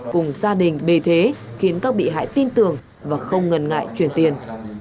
cùng gia đình bề thế khiến các bị hại tin tưởng và không ngần ngại chuyển tiền